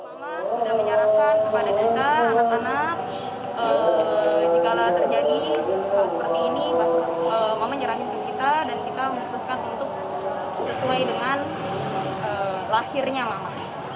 mama sudah menyarankan kepada kita anak anak jika terjadi hal seperti ini mama nyerahin ke kita dan kita memutuskan untuk sesuai dengan lahirnya mama